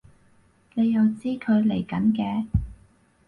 你又知佢嚟緊嘅？